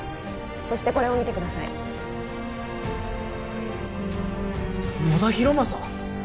そしてこれを見てください野田浩正！？